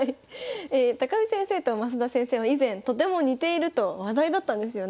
見先生と増田先生は以前とても似ていると話題だったんですよね。